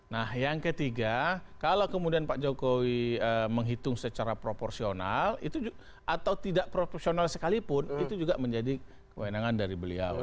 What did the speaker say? nah yang ketiga kalau kemudian pak jokowi menghitung secara proporsional atau tidak profesional sekalipun itu juga menjadi kewenangan dari beliau